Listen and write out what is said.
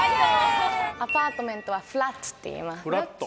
「アパートメント」は「フラット」って言います。